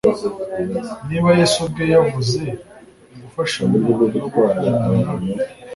niba yesu ubwe yavuze gufashanya no gukundana